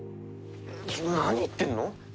何言ってんの？